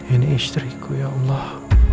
ini istriku ya allah